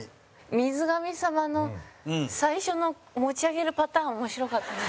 水神さまの最初の持ち上げるパターン面白かったです。